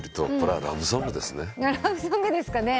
ラブソングですかね？